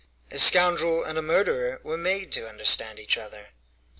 "A scoundrel and a murderer were made to understand each other."